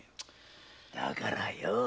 だからよ